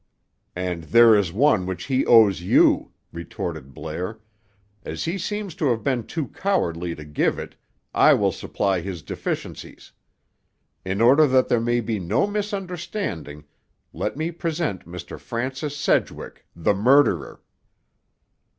"And there is one which he owes you," retorted Blair. "As he seems to have been too cowardly to give it, I will supply his deficiencies. In order that there may be no misunderstanding, let me present Mr. Francis Sedgwick, the murderer."